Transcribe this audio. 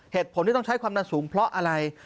เหตุผลที่ต้องใช้ความดันสูงเพราะอะไร